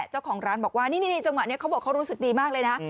เจ้าของร้านบอกว่านี่จังหวะนี้เขาบอกเขารู้สึกดีมากเลยนะ